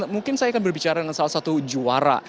mungkin saya akan berbicara dengan salah satu juara